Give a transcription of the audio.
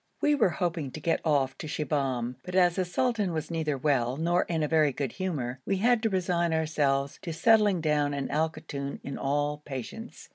We were hoping to get off to Shibahm, but as the sultan was neither well nor in a very good humour, we had to resign ourselves to settling down in Al Koton in all patience.